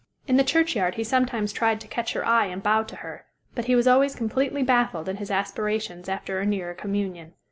In the churchyard he sometimes tried to catch her eye and bow to her; but he was always completely baffled in his aspirations after a nearer communion.